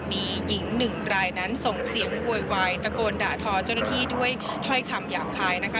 มีหญิงหนึ่งรายนั้นส่งเสียงโวยวายตะโกนด่าทอเจ้าหน้าที่ด้วยถ้อยคำหยาบคายนะคะ